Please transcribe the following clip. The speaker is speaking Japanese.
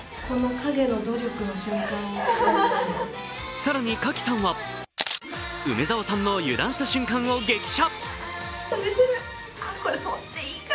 更に賀喜さんは梅澤さんの油断した瞬間を激写。